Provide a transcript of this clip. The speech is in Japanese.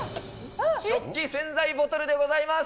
食器洗剤ボトルでございます！